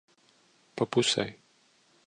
Pa pusei.